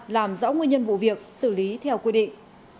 làm rõ nguyên nhân vụ việc xử lý theo quy định